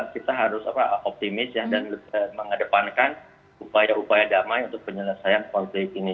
kita harus optimis dan mengedepankan upaya upaya damai untuk penyelesaian konflik ini